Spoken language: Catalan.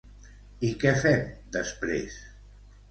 I què fem després?